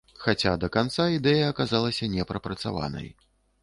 Хаця да канца ідэя аказалася не прапрацаванай.